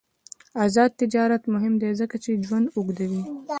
آزاد تجارت مهم دی ځکه چې ژوند اوږدوي.